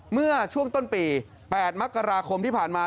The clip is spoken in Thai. เมื่อช่วงต้นปี๘มกราคมที่ผ่านมา